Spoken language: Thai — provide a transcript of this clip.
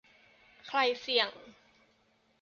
ใครเสี่ยง ?